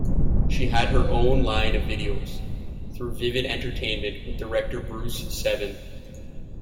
She had her own line of videos through Vivid Entertainment with director Bruce Seven.